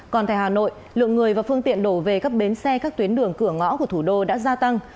còn tại hà nội lượng người và phương tiện đổ về các bến xe các tuyến đường cửa ngõ của thủ đô đã gia tăng